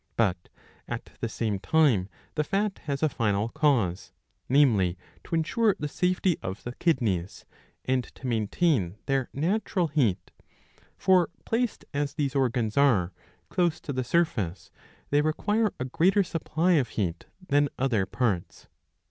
But at the same time the fat has a final cause, namely to ensure 672 a. 6 82 iii. 9 — iii, lo. the safety of the kidneys, and to maintain their natural heat. For placed, as these organs are, close to the surface, they require a greater supply of heat than other parts.